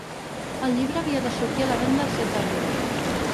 El llibre havia de sortir a la venda el set d’abril.